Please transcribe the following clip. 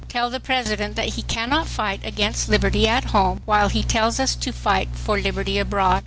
TELL THE PRESIDENT THAT HE CANNOT FIGHT AGAINST LIBERTY AT HOME WHILE HE TELLS US TO FIGHT FOR LIBERTY ABROAD.